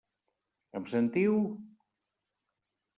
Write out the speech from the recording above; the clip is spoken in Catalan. Em sentiu?